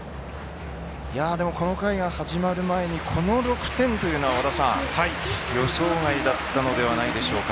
この回が始まる前にこの６点というのは和田さん、予想外だったのではないでしょうか。